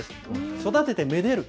育ててめでる。